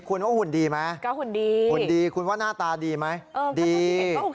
คุณว่าหุ่นดีไหมคุณว่าหน้าตาดีไหมดี